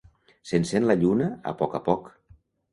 S'encén la lluna a poc a poc.